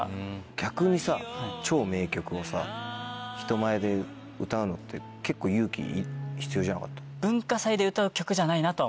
逆にさ超名曲をさ人前で歌うのって結構勇気必要じゃなかった？とは思いました。